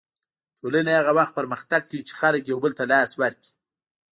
ټولنه هغه وخت پرمختګ کوي چې خلک یو بل ته لاس ورکړي.